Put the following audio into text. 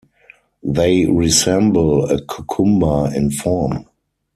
They resemble a cucumber in form.